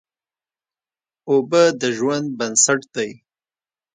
اوبه د ژوند بنسټ دي.